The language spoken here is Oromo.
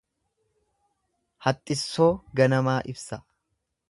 Haxxissoo ganamaa ibsa.